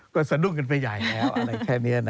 ก็สะดุ้งกันไปใหญ่แล้วอะไรแค่นี้